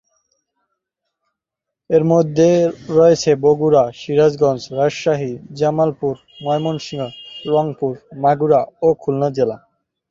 এরমধ্যে রয়েছে বগুড়া, সিরাজগঞ্জ, রাজশাহী, জামালপুর, ময়মনসিংহ, রংপুর, মাগুরা ও খুলনা জেলা।